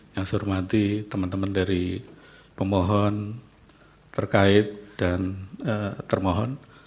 yang saya hormati teman teman dari pemohon terkait dan termohon